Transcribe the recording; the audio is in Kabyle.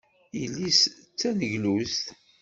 Yelli-s d taneglust.